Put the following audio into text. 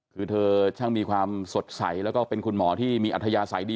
คือเธอช่างมีความสดใสแล้วก็เป็นคุณหมอที่มีอัธยาศัยดี